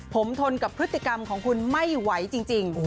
ผมทนกับพฤติกรรมของคุณไม่ไหวจริง